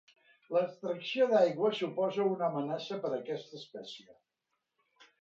L'extracció d'aigua suposa una amenaça per a aquesta espècie.